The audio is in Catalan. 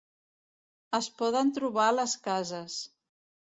Es poden trobar a les cases.